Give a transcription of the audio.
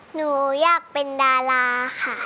หนูอยากเป็นดาราค่ะ